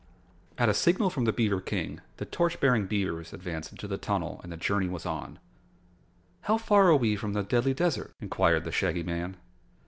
At a signal from the beaver King, the torch bearing beavers advanced into the tunnel and the journey was on. "How far are we from the Deadly Desert?" inquired the Shaggy Man.